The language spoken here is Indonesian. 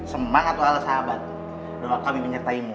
semangat walau sahabat doa kami menyertai mu